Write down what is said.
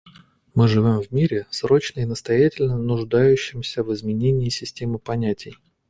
Мы живем в мире, срочно и настоятельно нуждающемся в изменении системы понятий.